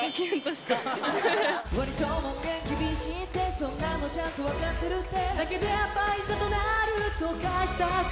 「そんなのちゃんと分かってるって」